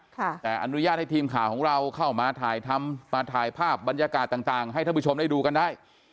แต่อนุญาตให้ทีมข่าวของเราเข้ามาถ่ายทำมาถ่ายภาพบรรยากาศต่างให้ท่านผู้ชมได้ดูกันได้